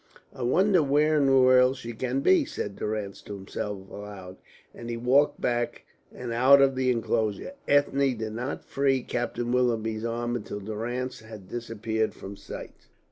"I wonder where in the world she can be," said Durrance to himself aloud, and he walked back and out of the enclosure. Ethne did not free Captain Willoughby's arm until Durrance had disappeared from sight.